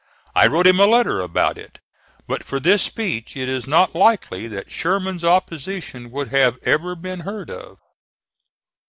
I wrote him a letter about it." But for this speech it is not likely that Sherman's opposition would have ever been heard of.